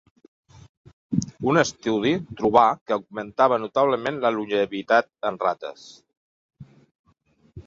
Un estudi trobà que augmentava notablement la longevitat en rates.